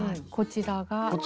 こちらは。